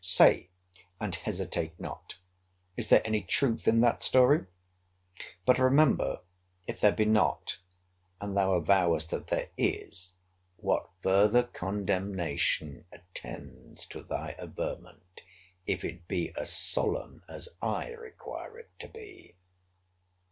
—Say, and hesitate not, is there any truth in that story?—But, remember, if there be not, and thou avowest that there is, what further condemnation attends to thy averment, if it be as solemn as I require it to be!